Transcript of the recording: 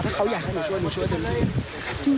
ถ้าเขาอยากให้หนูช่วยหนูช่วยเดี๋ยวนี้